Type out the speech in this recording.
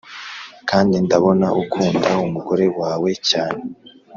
kandi ndabona ukunda umugore wawe cyane